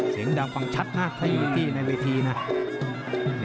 เสียงดังฟังชัดนะถ้าอยู่ที่ในเวทีนะ